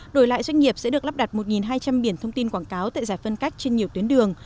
đổi lại doanh nghiệp sẽ được lắp đặt một hai trăm linh biển thông tin quảng cáo tại giải phân cách trên nhiều tuyến đường